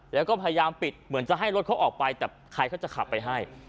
แล้วก็พยายามปิดเหมือนจะให้รถเขาออกไปแต่ใครเขาจะขับไปให้